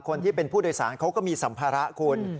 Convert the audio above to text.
คนที่เป็นผู้โดยสารเขาก็มีสัมภาระคุณ